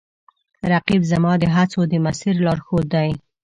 رقیب زما د هڅو د مسیر لارښود دی